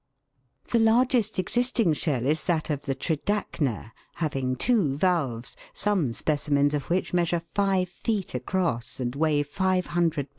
The largest existing shell is that of the Tridacna, having two '" valves, some specimens of which measure five feet across and weigh 500 Ibs.